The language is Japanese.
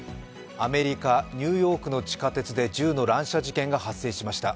アメリカ・ニューヨークの地下鉄で銃の乱射事件が発生しました。